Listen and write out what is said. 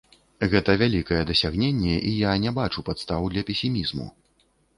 Гэта вялікае дасягненне, і я не бачу падстаў для песімізму.